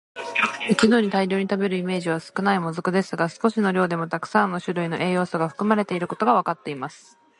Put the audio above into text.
一度に大量に食べるイメージは少ない「もずく」ですが、少しの量でもたくさんの種類の栄養素が含まれていることがわかっています。